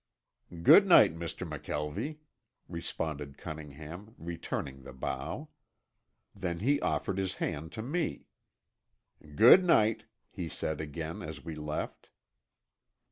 "Good night, Mr. McKelvie," responded Cunningham, returning the bow. Then he offered his hand to me. "Good night," he said again as we left.